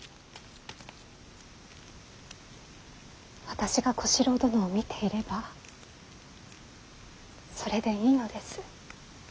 私が小四郎殿を見ていればそれでいいのです。